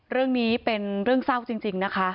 เรื่องนี้เป็นเรื่องเศร้าจริงนะคะ